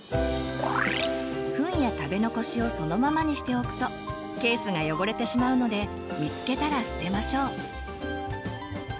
フンや食べ残しをそのままにしておくとケースが汚れてしまうので見つけたら捨てましょう。